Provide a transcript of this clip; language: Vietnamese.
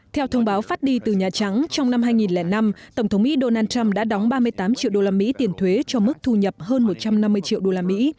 theo thông báo phát đi từ nhà trắng trong năm hai nghìn năm tổng thống mỹ donald trump đã đóng ba mươi tám triệu đô la mỹ tiền thuế cho mức thu nhập hơn một trăm năm mươi triệu đô la mỹ